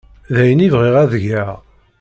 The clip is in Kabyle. D ayen i bɣiɣ ad geɣ.